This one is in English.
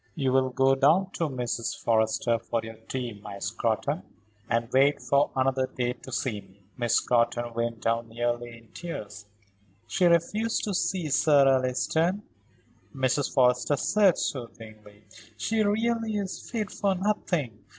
"You will go down to Mrs. Forrester for your tea, my Scrotton, and wait for another day to see me." Miss Scrotton went down nearly in tears. "She refused to see Sir Alliston," Mrs. Forrester said, soothingly. "She really is fit for nothing.